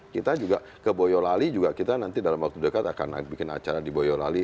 kita juga ke boyolali juga kita nanti dalam waktu dekat akan bikin acara di boyolali